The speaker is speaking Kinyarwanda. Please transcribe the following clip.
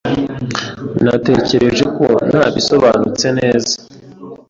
Natekereje ko nabisobanutse neza.